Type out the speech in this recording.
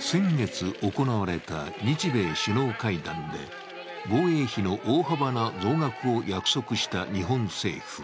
先月行われた日米首脳会談で防衛費の大幅な増額を約束した日本政府。